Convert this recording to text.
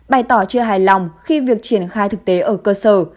bày tỏ chưa hài lòng khi việc triển khai thực tế ở cơ sở